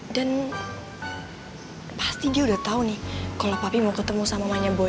dan pasti dia udah tau nih kalo papi mau ketemu sama emaknya boy